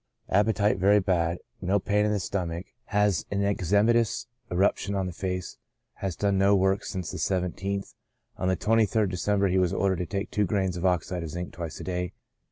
Appetite very bad. No pain in the stomach. Has an eczematous eruption on the face. Has done no work since the 17th On the 23rd December he was ordered to take two grains of oxide of zinc twice a day.